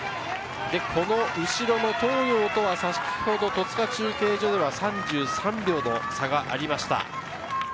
この後ろの東洋とは先ほど戸塚中継所では３３秒の差がありました。